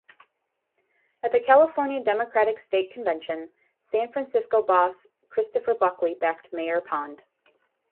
At the California Democratic State Convention, San Francisco Boss Christopher Buckley backed Mayor Pond.